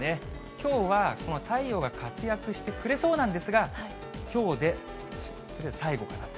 きょうは、太陽が活躍してくれそうなんですが、きょうで最後かなと。